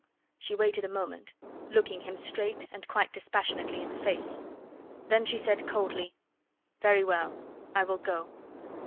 She waited a moment, looking him straight and quite dispassionately in the face; then she said coldly: "Very well! I will go."